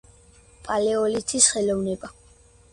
პალეოლითის "ხელოვნება"